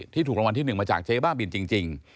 ที่ถูกรางวัลที่หนึ่งมาจากเจ๊บ้าบิลจริง